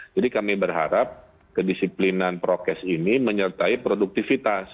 jadi kami berharap kedisiplinan prokes ini menyertai produktivitas